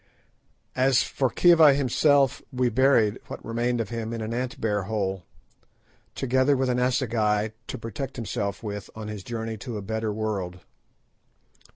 As for Khiva himself, we buried what remained of him in an ant bear hole, together with an assegai to protect himself with on his journey to a better world.